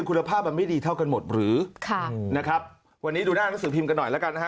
คุณภาพมันไม่ดีเท่ากันหมดหรือค่ะนะครับวันนี้ดูหน้าหนังสือพิมพ์กันหน่อยแล้วกันนะฮะ